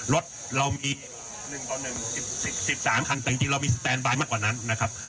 รถเรามี๑๓คันแต่จริงเรามีสแตนบายมากกว่านั้นนะครับ